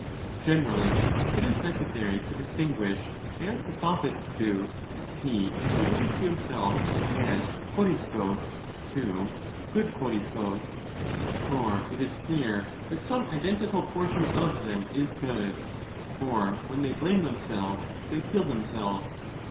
Generally, if it is necessary to distinguish as the sophists do, 25 he is related to himself as ' Coriscus ' to ' good Coriscus '.^ fFor it is clear that some identical portion of them is goodf ; for when they blame themselves, they kill themselves.